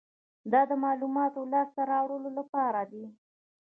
دا د معلوماتو د لاسته راوړلو لپاره دی.